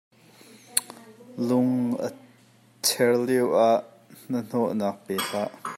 Lung a cher lioah hna hnawhnak pe hlah.